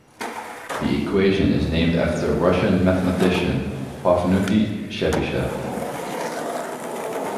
The equation is named after Russian mathematician Pafnuty Chebyshev.